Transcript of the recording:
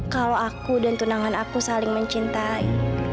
kalau aku dan tunangan aku saling mencintai